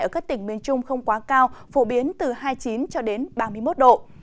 ở các tỉnh miền trung không quá cao phổ biến từ hai mươi chín ba mươi một độ